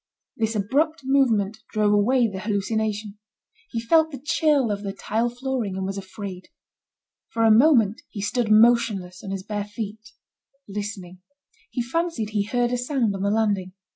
This abrupt movement drove away the hallucination. He felt the chill of the tile flooring, and was afraid. For a moment he stood motionless on his bare feet, listening. He fancied he heard a sound on the landing.